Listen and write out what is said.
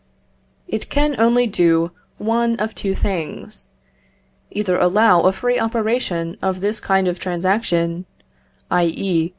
It can only do one of two things: either allow a free operation to this kind of transaction, _i.e.